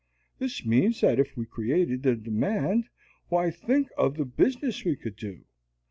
Which means that if we created the demand why, think of the business we could do!